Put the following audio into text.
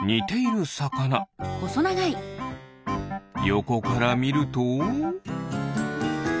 よこからみると？